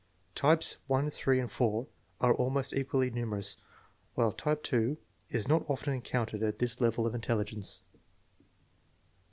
Types (1), (3), and (4) are almost equally numerous, while type (2) is not often encountered at this level of intelligence.